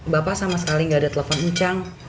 bapak sama sekali nggak ada telepon ucang